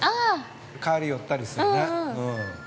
帰りに寄ったりするよね。